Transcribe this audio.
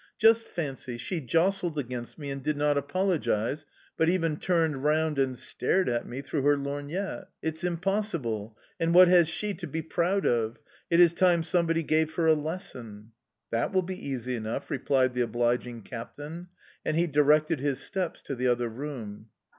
Just fancy, she jostled against me and did not apologise, but even turned round and stared at me through her lorgnette!... C'est impayable!... And what has she to be proud of? It is time somebody gave her a lesson"... "That will be easy enough," replied the obliging captain, and he directed his steps to the other room.